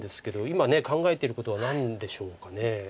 今考えてることは何でしょうか。